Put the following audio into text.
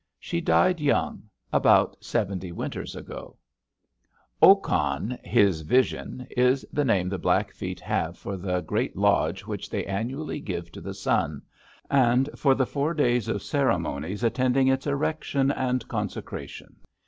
She died young, about seventy winters ago." Okan, his vision, is the name the Blackfeet have for the great lodge which they annually give to the sun, and for the four days of ceremonies attending its erection and consecration.